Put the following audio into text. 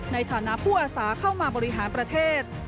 ในฐานะผู้อาสาเข้ามาบริหารประเทศ